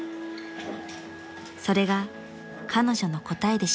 ［それが彼女の答えでした］